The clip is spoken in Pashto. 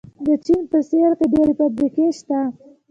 د چین په سویل کې ډېرې فابریکې شته.